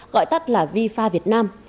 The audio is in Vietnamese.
gọi tắt là vfa việt nam